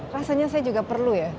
rasanya saya juga perlu ya